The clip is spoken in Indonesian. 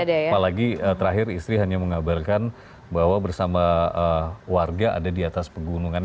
apalagi terakhir istri hanya mengabarkan bahwa bersama warga ada di atas pegunungan